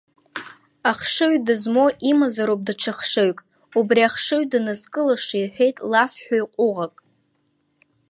Ахшыҩ ду змоу, имазароуп даҽа хшыҩк, убри ахшыҩ ду нызкылаша иҳәеит лафҳәаҩ ҟәыӷак.